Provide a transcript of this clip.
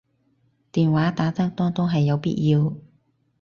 電話打得多都係有必要